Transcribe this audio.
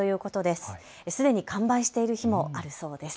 すでに完売している日もあるそうです。